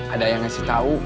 ada yang ngasih tau